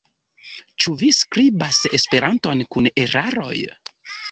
Ĉu vi skribas Esperanton kun eraroj?